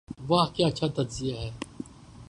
'' واہ کیا اچھا تجزیہ ہے۔